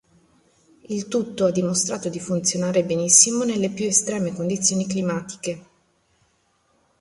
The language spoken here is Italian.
Il tutto ha dimostrato di funzionare benissimo nelle più estreme condizioni climatiche.